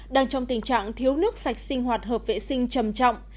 đang trong tình trạng thiếu nước sạch sinh hoạt hợp vệ sinh trầm trọng